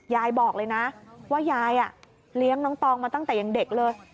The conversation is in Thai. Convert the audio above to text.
ยายบอกเลยนะว่ายายเลี้ยงน้องตองมาตั้งแต่ยังเด็กเลย